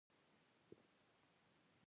ځکه نو ښار ته راغلو